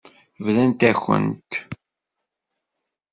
Brant-akent.